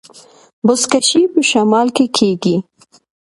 بزکشي په شمال کې کیږي